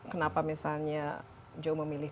kenapa misalnya joe memilih